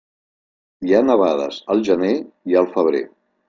Hi ha nevades al gener i al febrer.